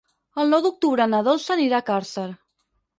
El nou d'octubre na Dolça anirà a Càrcer.